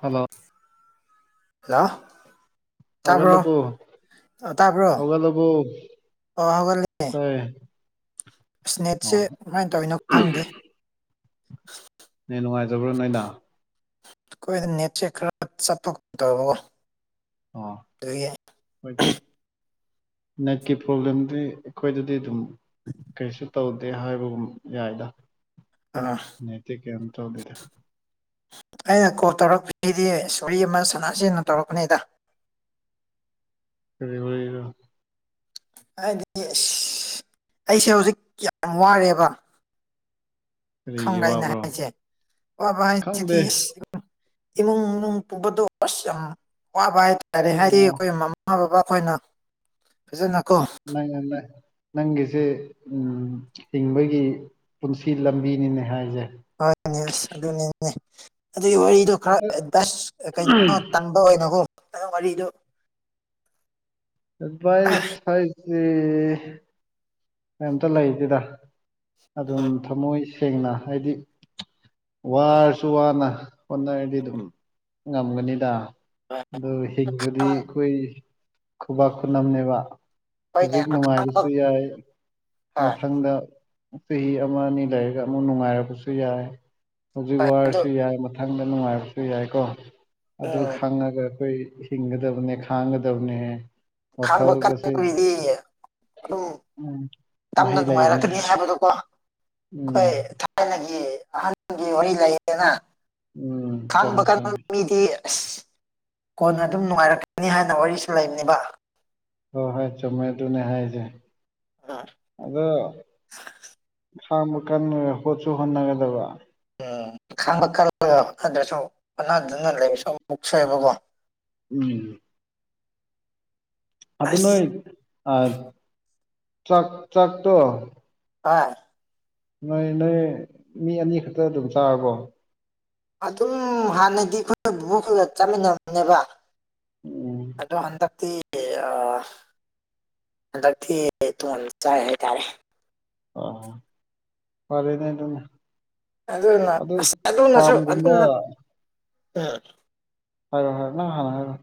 hello hello ꯍꯧꯒꯂ ꯄꯣ ꯍꯧꯒꯗꯣꯕꯨ ꯇ ꯏꯁꯅꯦꯠꯁꯦ ꯀꯃꯥꯏꯅ ꯇꯧꯔꯤꯅꯣ ꯈꯪꯗꯦ ꯅ ꯅꯨꯡꯉꯥꯏꯖꯕ꯭ꯔꯣ ꯅꯣꯏꯗꯥ ꯀꯈꯣꯏꯗ ꯅꯦꯆꯦ ꯈꯔ ꯆꯠꯊ ꯇꯔꯣ ꯑꯣ ꯇꯌꯦ ꯍꯣꯏ ꯅꯦꯠꯀꯤ ꯄ꯭ꯔꯣꯕ꯭ꯂꯦꯝꯗꯤ ꯑꯩꯈꯣꯏꯗꯗꯤ ꯑꯗꯨꯝ ꯀꯔꯤꯁꯨ ꯇꯧꯗꯦ ꯍꯥꯏꯕꯒꯨꯝ ꯌꯥꯏꯗ ꯑꯥ ꯅꯇꯦ ꯀꯩꯝ ꯇꯧꯗꯦꯗ ꯑꯩꯅ ꯀꯣꯜ ꯇꯧꯔꯛꯄꯁꯤꯗꯤ ꯁꯣꯔꯤ ꯑꯃ ꯁꯅꯥꯁꯤꯦꯟꯅ ꯇꯧꯔꯛꯄꯅꯤꯗ ꯀꯔ ꯑꯣꯏꯒ ꯍꯥꯏꯗꯤ ꯑꯁ ꯑꯩꯁꯦ ꯍꯧꯖꯤꯛ ꯌꯥꯝ ꯋꯥꯔꯦꯕ ꯀꯔꯤꯒꯤ ꯈꯪꯒꯥꯏꯅ ꯋꯥꯕ꯭ꯔꯣ ꯍꯥꯏꯁꯦ ꯈꯪꯗꯦ ꯗꯤ ꯏꯃꯨꯡ ꯃꯅꯨꯡ ꯄꯨꯕꯗꯣ ꯑꯁ ꯌꯥꯝ ꯋꯥꯕ ꯍꯥꯏꯇꯥꯔꯦ ꯍꯥꯏꯗꯤ ꯑꯣ ꯑꯩꯈꯣꯏ ꯃꯃꯥ ꯕꯕꯥ ꯑꯩꯈꯣꯏꯅ ꯐꯖꯅ ꯂꯩ ꯂꯩ ꯅꯪꯒꯤꯁꯦ ꯎ ꯍꯤꯡꯕꯒꯤ ꯄꯨꯟꯁꯤ ꯂꯝꯕꯤꯅꯤꯅꯦ ꯍꯥꯏꯁꯦ ꯍꯣꯏꯅꯦ ꯑꯁ ꯑꯗꯨꯅꯤꯅꯦ ꯑꯗꯨꯒꯤ ꯋꯥꯔꯤꯗꯣ ꯑꯗ ꯈꯔ ꯁ ꯀꯩꯅꯣ ꯇꯟꯕ ꯑꯣꯏꯅꯀꯣ ꯀꯗꯣ ꯑꯦꯗꯚꯥꯏꯁ ꯍꯥꯏꯁꯤ ꯀꯩꯝꯇ ꯂꯩꯇꯦꯗ ꯑꯗꯨꯝ ꯊꯃꯣꯏ ꯁꯦꯡꯅ ꯍꯥꯏꯗꯤ ꯋꯥꯔꯁꯨ ꯋꯥꯅ ꯍꯣꯠꯅꯔꯗꯤ ꯑꯗꯨꯝ ꯉꯝꯒꯅꯤꯗ ꯑꯗꯣ ꯍꯤꯡꯕꯗꯤ ꯑꯩꯈꯣꯏ ꯈꯨꯕꯥꯛ ꯈꯨꯅꯝꯅꯦꯕ ꯍꯣꯏꯅꯦ ꯍꯧꯖꯤꯛ ꯑꯈꯥꯡꯕ ꯅꯨꯡꯉꯥꯏꯕꯁꯨ ꯌꯥꯏ ꯃꯊꯪꯗ ꯆꯍꯤ ꯑꯃ ꯑꯅꯤ ꯂꯩꯔꯒ ꯑꯃꯨꯛ ꯅꯨꯡꯉꯥꯏꯔꯕꯁꯨ ꯌꯥꯏ ꯍꯧꯖꯤꯛ ꯑꯗꯨ ꯋꯥꯔꯁꯨ ꯌꯥꯏ ꯃꯊꯪꯗ ꯅꯨꯡꯉꯥꯏꯕꯁꯨ ꯌꯥꯏꯀꯣ ꯑꯗꯨ ꯎꯝ ꯈꯪꯉꯒ ꯑꯩꯣꯏ ꯍꯤꯡꯒ ꯗꯕꯅꯦ ꯈꯥꯡꯒ ꯗꯕꯅꯦ ꯈꯥꯡꯕ ꯀꯕꯤꯗꯤ ꯑꯗꯨꯝ ꯎꯝ ꯌꯥꯝꯅ ꯃꯍꯩ ꯂꯩꯕꯅꯦ ꯅꯨꯡꯉꯥꯏꯔꯛꯀꯅꯤ ꯍꯥꯏꯕꯗꯣꯀꯣ ꯑꯩꯈꯣꯏ ꯎꯝ ꯊꯥꯏꯅꯒꯤ ꯑꯍꯟꯒꯤ ꯋꯥꯔꯤ ꯂꯩꯌꯦꯅ ꯎꯝ ꯈꯥꯡꯕ ꯆꯨꯝꯃꯦ ꯀꯥꯟ ꯆꯨꯝꯃꯦ ꯃꯤꯗꯤ ꯑꯁ ꯀꯣꯟꯅ ꯑꯗꯨꯝ ꯅꯨꯡꯉꯥꯏꯔꯛꯀꯅꯤ ꯍꯥꯏꯅ ꯋꯥꯔꯤꯁꯨ ꯂꯩꯕꯅꯦꯕ ꯍꯣꯏ ꯍꯣꯏ ꯆꯨꯝꯃꯦ ꯑꯗꯨꯅꯦ ꯍꯥꯏꯁꯦ ꯑꯗꯣ ꯈꯥꯡꯕ ꯀꯥꯟ ꯍꯣꯠꯁꯨ ꯍꯣꯠꯅꯒꯗꯕ ꯎꯝ ꯈꯥꯡꯕ ꯑꯗꯨ꯭ꯔꯁꯨ ꯍꯣꯠꯅꯗꯨꯅ ꯂꯩꯕꯁꯨ ꯃꯨꯛꯁꯑꯕꯀꯣ ꯎꯝ ꯑꯗꯨ ꯑꯁ ꯅꯣꯏ ꯆꯥꯛ ꯆꯥꯛꯇꯣ ꯑ ꯅꯣꯏ ꯅꯣꯏ ꯃꯤ ꯑꯅꯤ ꯈꯛꯇ ꯑꯗꯨꯝ ꯆꯥꯔꯕꯣ ꯑꯗꯨꯝ ꯍꯥꯟꯅꯗꯤ ꯑꯩꯈꯣꯏꯅ ꯚ ꯈꯨꯂ ꯆꯠꯃꯤꯟꯅꯕꯅꯦꯕ ꯎꯝ ꯑꯗꯨꯗꯣ ꯑꯟ ꯊ ꯑ ꯍꯟꯗꯛꯇꯤ ꯇꯨꯡ ꯆꯥꯏ ꯍꯥꯏꯇꯥꯔꯦ ꯑ ꯐꯦꯅꯤꯇ ꯑꯗꯨꯅ ꯑꯁ ꯑꯗꯨꯅꯁꯨ ꯑꯗꯨꯅ ꯎꯝ ꯍꯔ ꯍꯣꯏ ꯍ ꯍꯥꯏꯔ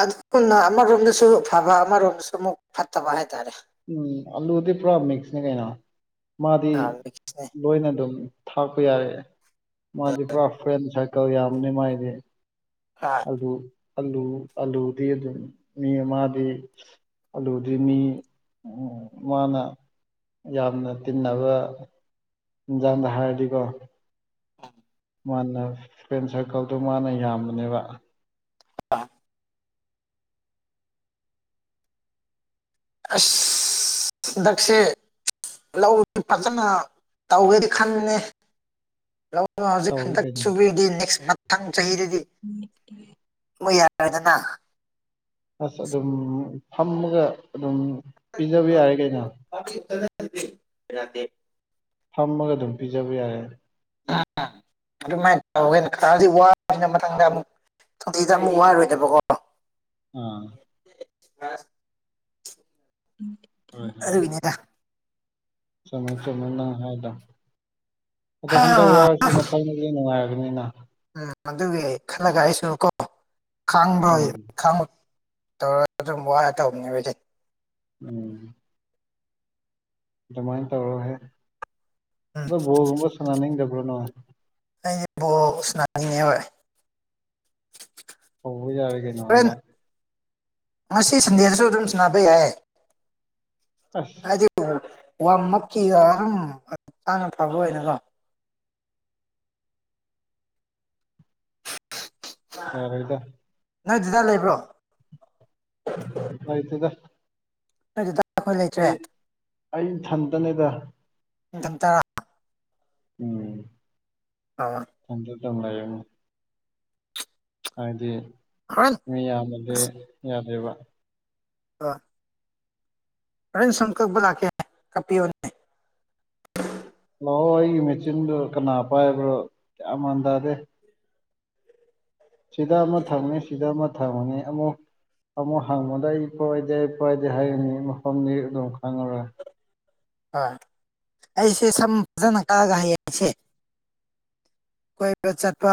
ꯑꯗꯨꯒꯅ ꯑꯃꯔꯣꯝꯗꯁꯨ ꯑꯐꯕ ꯑꯃꯔꯣꯝꯗꯁꯨ ꯑꯃꯨꯛ ꯐꯠꯇꯕ ꯍꯥꯏꯇꯥꯔꯦ ꯎꯝ ꯑꯂꯨꯗꯤ ꯄꯨꯔꯥ ꯃꯤꯛꯁꯅꯦ ꯀꯩꯅꯣ ꯃꯥꯗꯤ ꯑꯥ, ꯃꯤꯛꯁꯅꯦ ꯂꯣꯏꯅ ꯑꯗꯨꯝ ꯊꯥꯛꯄ ꯌꯥꯏ ꯃꯥꯗꯤ ꯄꯨꯔꯥ ꯐ꯭ꯔꯦꯟ ꯁꯥꯔꯀꯜ ꯌꯥꯝꯕꯅꯤ ꯃꯥꯏꯗꯤ ꯑꯥ, ꯑꯗꯨꯗ ꯑꯂꯨ ꯑꯂꯨꯗꯤ ꯑꯗꯨꯝ ꯃꯤ ꯑꯃꯗꯤ ꯑꯂꯨꯗꯤ ꯃꯤ ꯃꯥꯅ ꯌꯥꯝꯅ ꯇꯤꯟꯅꯕ ꯌꯥꯥꯟꯗ ꯍꯥꯔꯗꯤ ꯀꯣ ꯑꯝ ꯃꯥꯅ ꯐ꯭ꯔꯦꯟ ꯁꯥꯔꯀꯜꯗꯣ ꯃꯥꯅ ꯌꯥꯝꯕꯅꯦꯕ ꯑ ꯑꯁ ꯗꯁ ꯂꯧꯁꯤ ꯐꯖꯅ ꯇꯧꯒꯦꯗꯤ ꯈꯟꯦ ꯂꯧ ꯑ ꯍꯧꯖꯤꯛ ꯇꯧꯔꯤ ꯍꯟꯗꯛ ꯀꯩꯅꯤ ꯁꯨꯕꯤꯔꯗꯤ ꯅꯦꯛꯁ ꯃꯊꯪ ꯆꯍꯤꯗꯗꯤ ꯃ ꯌꯥ ꯀꯔꯗꯅꯥ ꯑꯁ ꯑꯗꯨꯝ ꯐꯝꯃꯒ ꯑꯗꯨꯝ ꯄꯤꯖꯕ ꯌꯥꯔꯦ ꯀꯩꯅ ꯗꯦ ꯐꯝꯃꯒ ꯑꯗꯨꯝ ꯄꯤꯖꯕ ꯌꯥꯔꯦ ꯑꯗꯨꯃꯥꯏꯅ ꯇꯧꯒꯦꯖꯤꯛ ꯋꯥꯕꯁꯤꯅ ꯃꯇꯥꯡꯗ ꯑꯃꯨꯛ ꯁꯗꯗ ꯑꯃꯨꯛ ꯋꯥꯔꯣꯏꯗꯕꯀꯣ ꯑꯥ ꯍꯥ ꯎꯝ ꯑꯅꯤꯔ ꯁꯥꯏ ꯁꯃꯥꯏꯅ ꯍꯥꯏꯗ ꯑꯗꯣ ꯍꯟꯗꯛ ꯎꯝ ꯋꯥꯔꯁꯨ ꯃꯊꯪꯗꯗꯤ ꯅꯨꯡꯉꯥꯏꯔꯕꯅꯤꯅ ꯑꯗꯨꯒꯤ ꯈꯜꯂꯒ ꯑꯩꯁꯨ ꯀꯣ ꯈꯥꯡꯕ꯭ꯔꯣꯏ ꯎꯝ ꯈꯥꯡꯕ ꯇꯧꯔ ꯑꯗꯨꯝ ꯋꯥꯔ ꯇꯧꯕꯅꯦ ꯍꯧꯗꯤ ꯎꯝ ꯑꯗꯨꯃꯥꯏꯅ ꯇꯧꯔꯍꯦ ꯎꯝ ꯑ ꯕꯣꯔꯒꯨꯝꯕ ꯁꯥꯟꯅꯅꯤꯡꯗꯕ꯭ꯔꯣꯅꯣ ꯑꯩꯁꯦ ꯕꯣ ꯁꯅꯥꯅꯤꯡꯉ ꯑꯣꯏ ꯍ ꯍꯣꯔꯦꯟ ꯌꯥꯔꯒꯅꯣꯂ ꯉꯁꯤ ꯁꯟꯗꯦꯁꯁꯨ ꯑꯗꯨꯝ ꯆꯅꯥꯕꯩ ꯍꯥꯏ ꯑꯁ ꯍꯥꯏ ꯋꯥ ꯃꯀꯤꯒ ꯑꯗꯨꯝ ꯇꯥꯅ ꯐꯕ ꯑꯣꯏꯅꯀꯣ ꯑ ꯍꯗ ꯅꯣꯏ ꯗ ꯂꯩꯕ꯭ꯔꯣ ꯍꯥꯏ ꯇꯗ ꯐꯗ ꯑꯩ ꯑꯩ ꯊꯟꯇꯅꯦꯗ ꯅꯇꯔ ꯎꯝ ꯑ ꯇꯪ ꯂꯩ ꯍꯥꯏꯗꯤ ꯍꯣꯔꯦꯟ ꯃꯤ ꯌꯥꯝꯕꯗꯤ ꯌꯥꯗꯦꯕ ꯑꯥ ꯔꯟ ꯁꯟ ꯀ ꯂꯀ ꯍꯥꯏ ꯀꯄꯤꯌꯣꯅꯤ ꯂꯥꯛꯑꯣ ꯑꯩꯒꯤ ꯃꯦꯆꯤꯟꯗꯨ ꯀꯅꯥ ꯄꯥꯏꯕ꯭ꯔꯣ ꯀꯌꯥꯃꯥꯟ ꯇꯗꯦ ꯁꯤꯗ ꯑꯃ ꯊꯪꯅꯤ ꯁꯤꯗ ꯑꯃ ꯊꯪꯅꯤ ꯑꯃꯨꯛ ꯑꯃꯨꯛ ꯍꯪꯕꯗ ꯑꯩ ꯄꯣꯏꯗꯦ ꯑꯩ ꯄꯣꯏꯗꯦ ꯍꯥꯏꯔꯤꯅꯤ ꯃꯐꯝꯗꯤ ꯑꯗꯨꯝ ꯈꯪꯉꯔꯣꯏ ꯍꯣꯏ ꯑꯩꯁꯦ ꯁꯝ ꯐꯖꯅ ꯀꯛꯑꯒ ꯍꯥꯏꯌꯦ ꯑꯩꯁꯦ ꯀꯣꯏꯕ ꯆꯠꯄ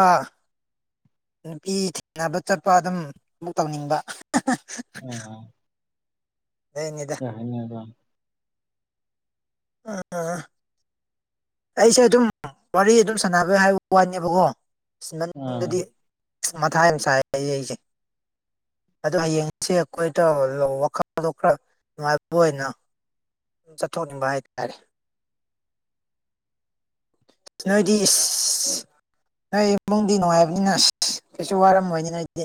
ꯅꯨꯄꯤ ꯊꯦꯡꯅꯕ ꯆꯠꯄ ꯑꯗꯨꯝ ꯊꯕꯨꯛ ꯇꯧꯅꯤꯡꯕ ꯑꯣ ꯑꯗꯨꯏꯅꯤꯗ ꯀꯅꯗ ꯑ ꯑꯩꯁꯦ ꯑꯗꯨꯝ ꯋꯥꯔꯤ ꯑꯗꯨꯝ ꯁꯥꯟꯅꯕ ꯍꯥꯏꯕ ꯋꯥꯅꯦꯕꯀꯣ ꯑꯥ ꯃꯅꯨꯡꯗꯗꯤ ꯃꯊꯥꯏ ꯌꯥꯝ ꯁꯥꯏ ꯑꯩ ꯑꯩꯁꯦ ꯑꯣ ꯍꯌꯦꯡꯁꯤ ꯑꯩꯈꯣꯏꯗ ꯋꯥꯈꯜꯗꯣꯛ ꯈꯔ ꯉꯥꯏꯕ ꯑꯣꯏꯅ ꯆꯠꯊꯣꯛꯅꯤꯡꯕ ꯍꯥꯏꯇꯥꯔꯦ ꯅꯣꯏꯗꯤ ꯏꯁ ꯅꯣꯏ ꯏꯃꯨꯡꯗꯤ ꯅꯨꯡꯉꯥꯏꯕꯅꯤꯅ ꯑꯁ ꯀꯩꯁꯨ ꯋꯥꯔꯝꯃꯣꯏꯅꯤꯅ ꯑꯩꯗꯤ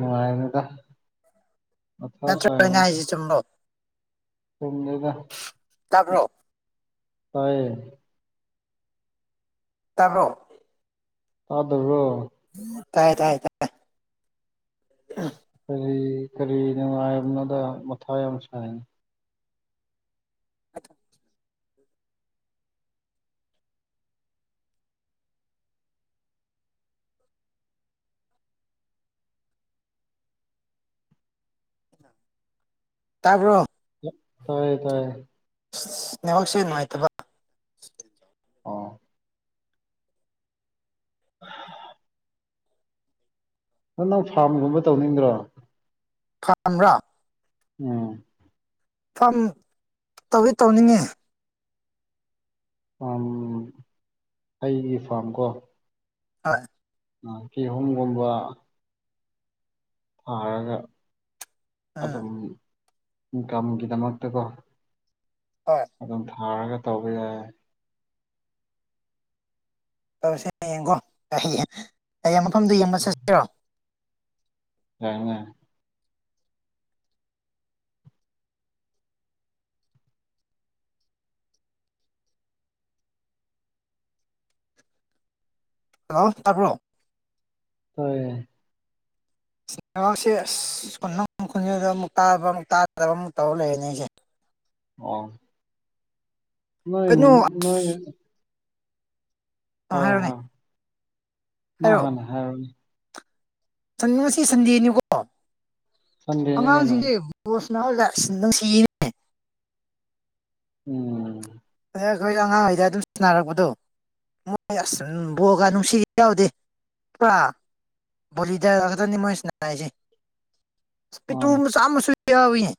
ꯅꯨꯡꯉꯅꯦꯗ ꯅꯠꯇ꯭ꯔꯣ ꯑꯩꯅ ꯑꯁꯅꯦ ꯍꯥꯏꯁꯦ ꯆꯨꯝꯕ꯭ꯔꯣ ꯊꯝꯗꯒ ꯇꯥꯕ꯭ꯔꯣ ꯇꯌꯦ ꯇꯕꯣ ꯑꯗꯕꯨꯣ ꯇꯥꯏ ꯇꯥꯏ ꯇꯥꯏ ꯀꯔꯤ ꯀꯔꯤ ꯅꯨꯡꯉꯥꯏꯕꯅꯗ ꯃꯊꯥ ꯌꯥꯝ ꯁꯥꯏ ꯇꯄ ꯇꯥꯏꯌꯦ ꯇꯥꯏꯌꯦ ꯌꯥ ꯋꯥꯁꯤꯅꯨꯡꯥꯏꯕ ꯑꯥ [unintelligible] ꯅ ꯅꯪ ꯐꯥꯔꯝꯒꯨꯝꯕ ꯇꯧꯅꯤꯡꯗ꯭ꯔꯣ ꯊꯝ꯭ꯔꯥ ꯎꯝ ꯐꯝ ꯇꯧꯋꯤ ꯇꯧꯅꯤꯡꯉꯤ ꯑꯥꯝ ꯑꯩꯒꯤ ꯐꯥꯝ ꯀꯣ ꯍꯣꯏ ꯑ ꯀ ꯍꯣꯨꯝꯒꯣꯕ ꯐꯒ ꯑꯗꯨ ꯎꯝ ꯑꯗꯨꯝ ꯏꯟꯀꯝꯒꯤꯗꯃꯛꯇꯀꯣ ꯍꯣꯏ ꯑꯗꯨꯝ ꯊꯥꯔꯒ ꯇꯧꯕ ꯌꯥꯏ ꯇꯧꯁꯦꯌꯦꯡꯀꯣ ꯍꯌꯦꯡ ꯃꯐꯝꯗꯨꯣ ꯌꯦꯡꯕ ꯆꯠꯁꯤꯔꯣ ꯀꯥꯏꯅꯦ ꯍꯂꯣ ꯇꯥꯄꯣ ꯍꯣꯏ ꯍꯥꯛꯁꯦ ꯑꯁ ꯈꯨꯅ ꯈꯨꯟꯖꯗ ꯑꯃꯨꯛ ꯇꯥꯕ ꯑꯃꯨꯛ ꯇꯥꯗꯕ ꯑꯃꯨꯛ ꯇꯧꯔ ꯂꯩꯔꯅꯤ ꯑꯩꯁꯦ ꯑꯣ ꯅ ꯀꯩꯅꯣ ꯅ [unintelligible] ꯑ ꯍꯥꯏꯔꯅꯦ ꯍꯥꯏꯔꯣ ꯅꯪ ꯍꯥꯟꯅ ꯍꯥꯏꯌꯣꯅꯦ ꯉꯁꯤ ꯁꯟꯗꯦꯅꯤꯀꯣ ꯁꯟꯗꯦꯅꯦ ꯀꯩꯅꯣ ꯑꯉꯥꯡꯁꯤꯡꯁꯦ ꯁꯗ ꯅꯪ ꯁꯤꯅꯦ [unintelligible] ꯎꯝ ꯍ ꯑꯩꯈꯣꯏ ꯑꯉꯥꯡꯈꯩꯗ ꯑꯗꯨꯝ ꯁꯟꯅꯔꯛꯄꯗꯣ ꯍꯣꯏ ꯑꯁ ꯕꯣꯜ ꯅꯨꯡꯁꯤꯗꯤ ꯌꯥꯎꯗꯦ ꯆꯄ꯭ꯔꯥ ꯣꯗꯗꯅꯤ ꯃꯣꯏ ꯁꯅꯥꯏꯁꯦ ꯃꯥꯅꯦ ꯇꯨꯡ ꯁꯥ ꯃꯁꯨ ꯌꯥꯏ [unintelligible]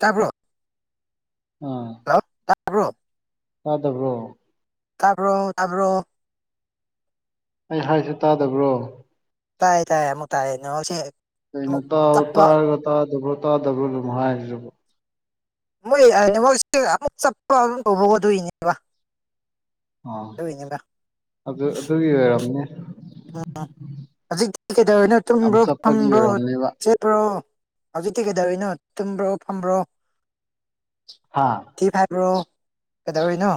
ꯇꯕ꯭ꯔꯣ ꯑꯥ ꯇꯕ꯭ꯔꯣ ꯇꯗꯕ꯭ꯔꯣ ꯇꯕ꯭ꯔꯣ ꯇꯕ꯭ꯔꯣ ꯑꯩ ꯍꯥꯏꯁꯤ ꯇꯗꯕ꯭ꯔꯣ ꯇꯥꯏ ꯇꯥꯏꯌꯦ ꯑꯃꯨꯛ ꯇꯥꯏ ꯅꯦꯠꯋꯥꯛꯁꯤ ꯀꯩꯅꯣ ꯇ ꯇꯥꯔꯒ ꯇꯥꯗꯕ꯭ꯔꯣ ꯇꯥꯗꯕ꯭ꯔꯣ ꯑꯗꯨꯝ ꯍꯥꯏꯔꯤꯗꯨꯕꯨ ꯃꯣꯏ ꯅꯦꯠꯋꯥꯛꯁꯤ ꯑꯃꯨꯛ ꯆꯠꯄ ꯑꯗꯨꯝ ꯇꯧꯕ ꯑꯗꯨꯒꯤꯅꯦꯕ ꯑ ꯑꯗꯨ ꯑꯗꯨꯒꯤ ꯑꯣꯏꯔꯝꯅꯤ ꯎꯝ ꯍꯧꯖꯤꯛꯇꯤ ꯀꯩꯗꯧꯅꯣ ꯌꯥꯝ ꯇꯨꯝꯕ꯭ꯔꯣ ꯆꯞꯄꯒꯤ ꯐꯕ꯭ꯔꯣ ꯑꯣꯏꯔꯝꯅꯦꯕ ꯆꯠꯄ꯭ꯔꯣ ꯍꯧꯖꯤꯛꯇꯤ ꯀꯩꯗꯧꯔꯤꯅꯣ ꯇꯨꯝꯕ꯭ꯔꯣ ꯐꯝꯕ꯭ꯔꯣ ꯍꯥ ꯊꯤ ꯐꯥꯏꯕ꯭ꯔꯣ ꯀꯩꯗꯧꯔꯤꯅꯣ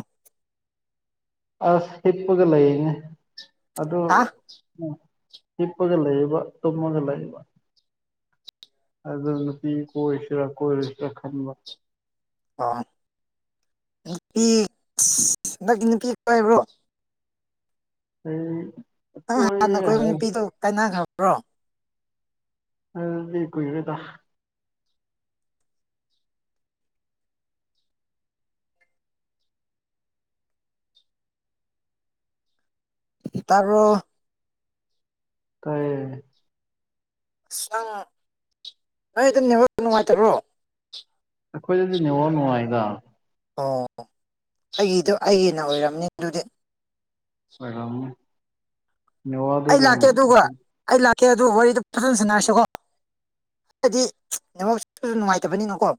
ꯑꯁ ꯍꯤꯞꯄꯒ ꯂꯩꯅꯦ ꯑꯗꯨ ꯍꯥ ꯍꯤꯞꯄꯒ ꯂꯩꯌꯦꯕ ꯇꯨꯝꯃꯒ ꯂꯩꯌꯦꯕ ꯑꯗꯨ ꯅꯨꯄꯤ ꯀꯣꯏꯁꯤꯔ ꯀꯣꯏꯔꯣꯏꯁꯤꯔ ꯈꯟꯕ ꯑꯣ ꯅꯨꯄꯤ ꯍꯟꯗꯛꯇꯤ ꯅꯨꯄꯤ ꯀꯣꯏꯕ꯭ꯔꯣ ꯑꯩ ꯅꯪ ꯍꯥꯟꯅ ꯀꯣꯏꯌꯦ ꯀꯣꯏꯕ ꯍꯥꯏ ꯅꯨꯄꯤꯗꯣ ꯀꯥꯏꯅꯈ꯭ꯔꯕ꯭ꯔꯣ ꯑꯗꯨꯗꯤ ꯀꯨꯏꯔꯦꯗ ꯇꯕ꯭ꯔꯣ ꯇꯏꯌꯦ ꯑꯁ ꯅꯪ ꯅꯣꯏꯗꯨ ꯅꯦꯠꯋꯥꯛ ꯅꯨꯡꯉꯥꯏꯇꯕ꯭ꯔꯣ ꯑꯈꯣꯏꯗꯗꯤ ꯅꯦꯠꯋꯥꯛ ꯅꯨꯡꯉꯥꯏꯗ ꯑꯣ ꯑꯩꯒꯤꯗꯣ ꯑꯩꯒꯤꯅ ꯑꯣꯏꯔꯝꯅꯤ ꯑꯗꯨꯗꯤ ꯑꯣꯏꯔꯝꯅꯤ ꯅꯦꯠꯋꯥꯛꯗꯤ ꯑꯩ ꯑꯗꯨꯝ ꯂꯥꯛꯀꯦ ꯑꯗꯨꯒ ꯑꯩ ꯂꯥꯛꯀꯦ ꯑꯗꯨ ꯋꯥꯔꯤꯗꯨ ꯐꯖꯅ ꯁꯥꯟꯅꯔꯁꯤꯀꯣ ꯍꯥꯏꯗꯤ ꯅꯦꯠꯋꯥꯛꯁꯤꯁꯨ ꯅꯨꯡꯉꯥꯏꯇꯕꯅꯤꯅꯀꯣ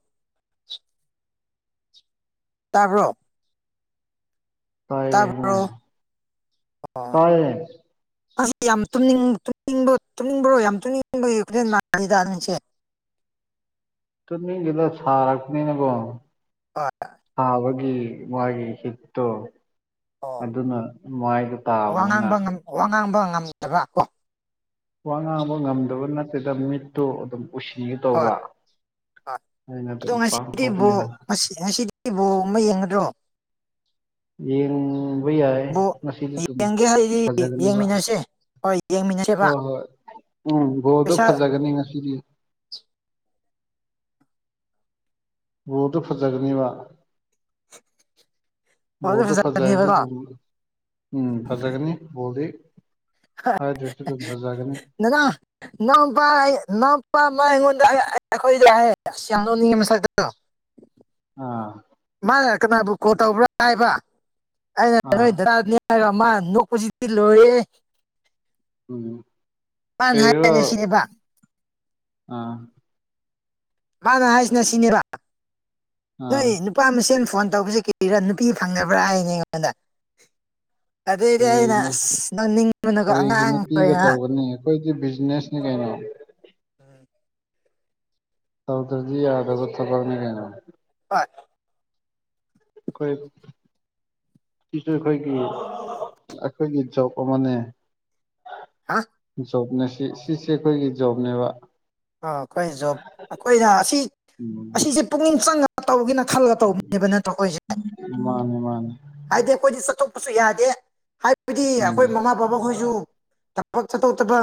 ꯇꯕ꯭ꯔꯣ ꯇꯥꯏꯌꯦ ꯍꯥꯏꯕꯅꯤ ꯑꯣ ꯇꯥꯏꯌꯦ ꯅꯪꯁꯦ ꯌꯥꯝ ꯇꯨꯝꯅꯤꯡ ꯇꯨꯃꯅꯤꯡꯕ꯭ꯔꯣ ꯌꯥꯝ ꯇꯨꯝꯅꯤꯡꯕꯒꯤ ꯈꯣꯂꯖꯦꯜ ꯃꯥꯟꯂꯤꯗ ꯅꯪꯁꯦ ꯇꯨꯝꯅꯤꯡꯗꯦꯗ ꯁꯥꯔꯛꯄꯅꯤꯅꯀꯣ ꯍꯣꯏ ꯁꯥꯕ ꯃꯥꯒꯤ ꯍꯤꯠꯇꯣ ꯑꯣ ꯑꯗꯨꯅ ꯃꯥꯏꯗꯣ ꯋꯥ ꯇꯥꯕꯅꯤꯅ ꯉꯥꯡꯕ ꯉꯝ ꯋꯥ ꯉꯥꯡꯕ ꯉꯝꯗꯕ ꯋꯥ ꯉꯥꯡꯕ ꯉꯝꯗꯕ ꯅꯠꯇꯦꯗ ꯃꯤꯠꯇꯨ ꯑꯗꯨꯝ ꯎꯁꯤꯟꯒꯦ ꯇꯧꯕ ꯑꯩꯅ ꯑꯗꯣ ꯑꯗꯨꯝ ꯉꯁꯤꯗꯤ ꯕꯣꯜ ꯄꯥꯡꯊꯣꯛꯄꯅꯤꯅ ꯉꯁꯤꯗꯤ ꯕꯣꯜ ꯌꯦꯡꯒꯗ꯭ꯔꯣ ꯌꯦꯡ ꯌꯦꯡꯒꯦ ꯍꯥꯏꯗꯤ ꯐꯖꯒꯅꯤꯕ ꯌꯦꯡꯃꯤꯟꯅꯁꯦ ꯍꯣꯏ ꯌꯦꯡꯃꯤꯟꯅꯁꯦꯕ ꯍꯣꯏ ꯍꯣꯏ ꯎꯝ ꯕꯣꯜꯗꯣ ꯄꯩꯁꯥ ꯐꯖꯒꯅꯤ ꯉꯁꯤꯗꯤ ꯨꯕꯣꯜꯗꯣ ꯐꯖꯒꯅꯤꯕ ꯐꯖ ꯕꯣꯜꯗꯣ ꯐꯖꯔꯗꯤ ꯐꯖꯕꯅꯦꯕꯀꯣ ꯑꯗꯨꯝ ꯎꯝ ꯐꯖꯒꯅꯤ ꯕꯣꯜꯗꯤ ꯍꯥꯏꯗ꯭ꯔꯁꯨ ꯑꯗꯨꯝ ꯐꯖꯒꯅꯤ ꯅꯥꯅꯥꯎ ꯅꯥꯎꯄꯥ ꯑꯩ ꯅꯥꯎꯄꯥ ꯅꯥꯎꯄꯥ ꯑꯩꯉꯣꯟꯗ ꯑꯈꯣꯏꯗ ꯍꯥꯏꯌꯦ ꯌꯥꯝ ꯅꯣꯛꯅꯤꯡꯉꯦ ꯃꯁꯛꯇꯣ ꯑꯥ ꯃꯥꯅ ꯀꯅꯥꯕꯨ ꯀꯣꯜ ꯇꯧꯕ꯭ꯔꯥ ꯍꯥꯏꯕ ꯑꯩꯅ ꯅꯣꯏ ꯑꯥ ꯗꯥꯗꯅꯤ ꯍꯥꯏꯒ ꯃꯥ ꯅꯣꯛꯄꯁꯤꯗꯤ ꯂꯣꯏꯌꯦ ꯎꯝ ꯀꯩꯅꯣ ꯍꯥꯏꯔꯤꯅ ꯁꯤꯅꯦꯕ ꯑꯥ ꯃꯥꯅ ꯍꯥꯏꯁꯤꯅ ꯁꯤꯅꯦꯕ ꯅꯣꯏ ꯑꯥ ꯅꯨꯄꯥ ꯃꯁꯦꯜ ꯐꯣꯟ ꯇꯧꯕꯁꯦ ꯀꯤꯔꯤꯔꯥ ꯅꯨꯄꯤ ꯐꯪꯗꯕ꯭ꯔꯥ ꯍꯥꯏꯅꯦ ꯑꯩꯉꯣꯟꯗ ꯑꯗꯨꯏꯗꯤ ꯑꯩꯅ ꯀꯔꯤꯒꯤꯅꯣ ꯑꯁ ꯅꯧꯅꯤꯡꯕꯅꯀꯣ ꯀꯔꯤꯒꯤ ꯑꯉꯥꯡꯈ ꯅꯨꯄꯤꯒ ꯑꯣꯏꯅ ꯇꯧꯒꯅꯤ ꯑꯩꯈꯣꯏꯗꯤ ꯕꯤꯖꯤꯅꯦꯁꯅꯦ ꯀꯥꯏꯩꯅ ꯆꯧꯗꯔ ꯌꯥꯗ ꯊꯅꯦ ꯀꯩꯅ ꯑ ꯑꯩꯈꯣꯏ ꯁꯤꯁꯨ ꯑꯩꯈꯣꯏꯒꯤ ꯑꯩꯈꯣꯏꯒꯤ ꯆꯞ ꯑꯃꯅꯦ ꯍꯥ ꯑꯣ ꯖꯣꯕꯅꯦ ꯁꯤ ꯁꯤꯁꯦ ꯑꯩꯈꯣꯏꯒꯤ ꯖꯣꯕꯅꯦꯕ ꯑ ꯑꯩꯈꯣꯏ ꯖꯣ ꯑꯩꯈꯣꯏꯅ ꯑꯁꯤ ꯎꯝ ꯑꯁꯤꯁꯦ ꯄꯨꯛꯅꯤꯡ ꯆꯪꯉꯒ ꯇꯧꯕꯒꯤꯅ ꯈꯜꯂꯒ ꯇꯧꯕꯃꯤꯅꯦꯕ ꯅꯠꯇ꯭ꯔꯣ ꯑꯩꯈꯣꯏꯁꯦ ꯃꯥꯅꯤ ꯃꯥꯅꯤ ꯍꯥꯏꯗꯤ ꯑꯩꯈꯣꯏꯗꯤ ꯆꯠꯊꯣꯛꯄꯁꯨ ꯌꯥꯗꯦ ꯍꯥꯏꯕꯗꯤ ꯑꯩꯈꯣꯏ ꯎꯝ ꯃꯃꯥ ꯕꯕꯥꯈꯣꯏꯁꯨ ꯊꯕꯛ ꯆꯠꯊꯣꯛ ꯆꯠꯕ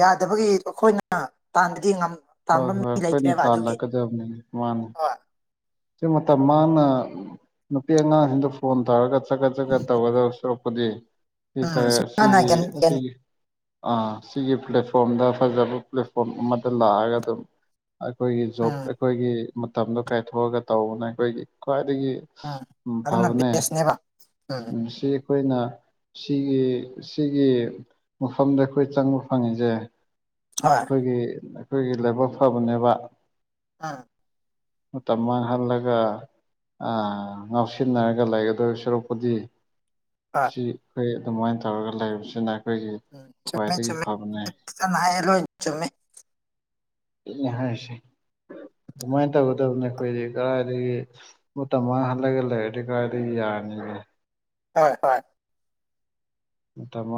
ꯌꯥꯗꯕꯒꯤ ꯑꯩꯈꯣꯏꯅ ꯇꯥꯟꯕꯗꯤ ꯍꯣꯏ ꯇꯥꯝꯕ ꯃꯤ ꯍꯣꯏ ꯑꯩꯈꯣꯏꯅ ꯂꯩꯇ꯭ꯔꯦꯕ ꯑꯗꯨꯒꯤ ꯇꯥꯜꯂꯛꯀꯗꯕꯅꯤ ꯃꯥꯅꯤ ꯍ ꯁꯤ ꯃꯇꯝ ꯃꯥꯡꯅ ꯅꯨꯄꯤ ꯑꯉꯥꯡꯁꯤꯡꯗ ꯐꯣꯟ ꯇꯧꯔꯒ ꯆꯠꯒꯠ ꯆꯠꯀꯠ ꯇꯧꯒꯗꯧꯁꯨ ꯎꯝ ꯁꯨꯃꯥꯏꯅ ꯁꯤꯒꯤ ꯒꯟ ꯒꯟ ꯁꯤꯒꯤ ꯑ ꯁꯤꯒꯤ ꯄ꯭ꯂꯦꯠꯐꯣꯝꯗ ꯐꯖꯕ ꯄ꯭ꯂꯦꯠꯐꯣꯝ ꯑꯃꯗ ꯂꯥꯛꯑꯒ ꯑꯗꯨꯝ ꯑꯩꯈꯣꯏꯒꯤ ꯖꯣꯕ ꯎꯝ ꯑꯩꯈꯣꯏꯒꯤ ꯃꯇꯝꯗꯣ ꯀꯥꯏꯊꯣꯛꯑꯒ ꯇꯧꯕꯅ ꯑꯩꯈꯣꯏꯒꯤ ꯈ꯭ꯋꯥꯏ ꯒꯤ ꯎꯝ ꯎ ꯑꯗꯨꯅ ꯐꯕꯅꯦ ꯕꯦꯁꯅꯦꯕ ꯎꯝ ꯁꯤ ꯑꯩꯈꯣꯏꯅ ꯁꯤꯒꯤ ꯁꯤꯒꯤ ꯃꯐꯝꯗ ꯑꯩꯈꯣꯏ ꯆꯪꯕ ꯐꯪꯉꯤꯁꯦ ꯍꯣꯏ ꯑꯩꯈꯣꯏꯒꯤ ꯑꯩꯈꯣꯏꯒꯤ ꯂꯥꯏꯕꯛ ꯐꯕꯅꯦꯕ ꯑꯥ ꯎ ꯇꯃꯅꯦ ꯍꯜꯂꯒ ꯉꯥꯎꯁꯤꯟꯅꯔꯒ ꯂꯩꯒꯗꯧꯔꯤꯕ ꯁꯔꯨꯛꯄꯨꯗꯤ ꯍꯣꯏ ꯁꯤ ꯑꯩꯈꯣꯏ ꯑꯗꯨꯃꯥꯏꯅ ꯇꯧꯔꯒ ꯂꯩꯕꯁꯤꯅ ꯑꯩꯈꯣꯏꯒꯤ ꯎꯝ ꯆꯨꯝꯃꯦ ꯈ꯭ꯋꯥꯏꯗꯒꯤ ꯆꯨꯝꯃꯦ ꯐꯕꯅꯦ ꯐꯖꯅ ꯍꯥꯏꯌꯦ ꯂꯣꯏ ꯆꯨꯝꯃꯦ ꯍꯥꯏꯁ ꯑꯗꯨꯃꯥꯏꯅ ꯇꯧꯒꯗꯕꯅꯤ ꯑꯩꯈꯣꯏꯗꯤ ꯀꯗꯥꯏꯗꯒꯤ ꯃꯇꯝ ꯃꯥꯡꯥꯡꯍꯜꯂꯒ ꯂꯩꯔꯗꯤ ꯀꯗꯥꯏꯗꯒꯤ ꯌꯥꯔ [unintelligible] ꯍꯣꯏ ꯍꯣꯏ ꯇꯃ